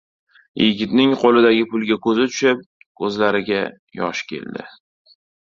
Yigitning qoʻlidagi pulga koʻzi tushib, koʻzlariga yosh oldi.